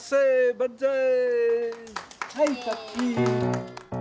ばんざい！